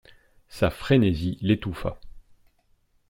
Sa frénésie l'étouffa.